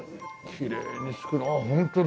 きれいに作るホントだ。